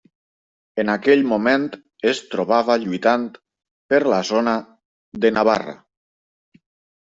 En aquell moment es trobava lluitant per la zona de Navarra.